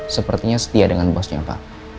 sepertinya setia dengan bosnya pak